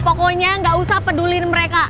pokoknya gak usah peduliin mereka